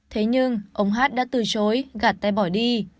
thế nhưng ông hát đã từ chối gạt tay bỏ đi